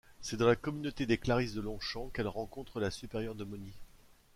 C’est dans la communauté des Clarisses de Longchamp qu’elle rencontre la supérieure de Moni.